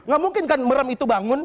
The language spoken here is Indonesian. gak mungkin kan merem itu bangun